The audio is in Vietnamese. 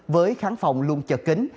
với kháng phòng luôn chờ kính